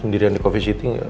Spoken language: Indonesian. sendirian di covet city